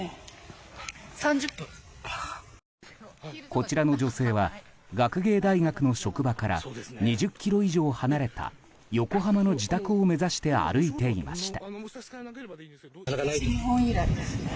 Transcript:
こちらの女性は学芸大学の職場から２０ｋｍ以上離れた横浜の自宅を目指して歩いていました。